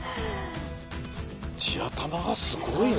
地頭がすごいな！